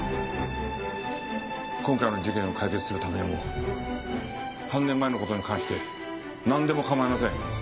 今回の事件を解決するためにも３年前の事に関してなんでも構いません。